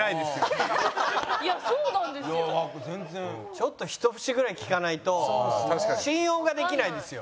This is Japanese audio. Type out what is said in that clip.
ちょっと一節ぐらい聴かないと信用ができないんですよ。